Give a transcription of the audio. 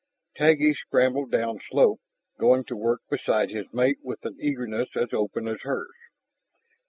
Taggi shambled downslope, going to work beside his mate with an eagerness as open as hers.